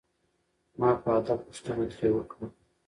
ما په ادب پوښتنه ترې وکړه.